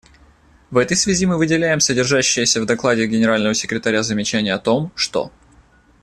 В этой связи мы выделяем содержащееся в докладе Генерального секретаря замечание о том, что.